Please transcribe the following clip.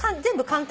簡単。